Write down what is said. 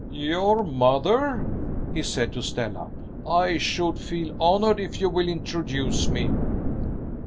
"Your mother?" he said to Stella. "I should feel honored if you will introduce me."